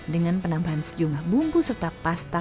dengan penambahan sejumlah bumbu serta pasta